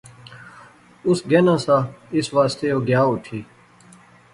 اس گینا ساہ، اس واسطے او گیا اٹھی